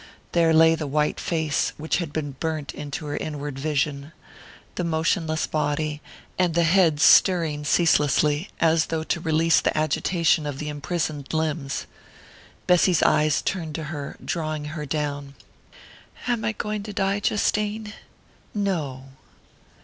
There lay the white face which had been burnt into her inward vision the motionless body, and the head stirring ceaselessly, as though to release the agitation of the imprisoned limbs. Bessy's eyes turned to her, drawing her down. "Am I going to die, Justine?" "No."